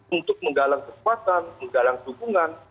untuk menggalang kekuatan menggalang dukungan